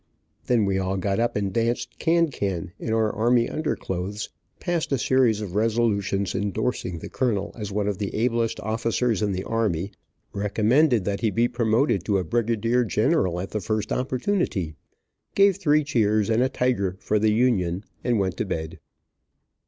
Then we all got up and danced a can can, in our army underclothes, passed a series of resolutions endorsing the colonel as one of the ablest officers in the army, recommended that he be promoted to brigadier general at the first opportunity, gave three cheers and a tiger for the Union, and went to bed.